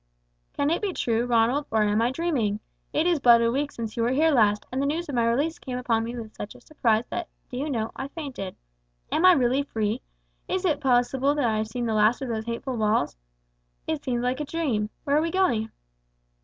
"Can it be true, Ronald, or am I dreaming? It is but a week since you were here last, and the news of my release came upon me with such a surprise that, do you know, I fainted. Am I really free? Is it possible that I have seen the last of those hateful walls? It seems like a dream. Where are we going?"